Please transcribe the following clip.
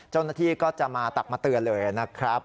เจ้าหน้าที่ก็จะมาตักมาเตือนเลยนะครับ